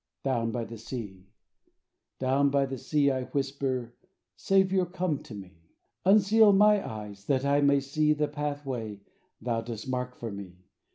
Down by the sea, down by the sea, I whisper, Saviour, come to me! Unseal my eyes, that I may see The pathway Thou dost mark for me.